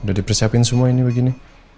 sudah dipersiapkan semua ini begini